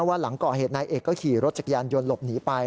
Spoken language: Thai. ว่าหลังก่อเหตุนายเอกก็ขี่รถจักรยานยนต์หลบหนีไป